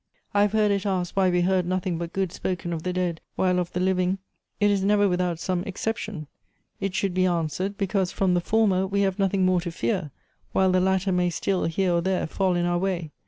"I have heard it asked why we heard nothing but good spoken of the dead, while of the living it is never 160 • G o E T n B ' s without some exception. It should be answered, becausa from the former we have nothing more to fear, while the latter may still, here or there, fall in our way.